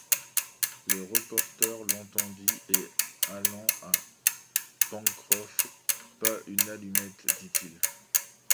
Le reporter l’entendit, et, allant à Pencroff: « Pas une allumette? dit-il.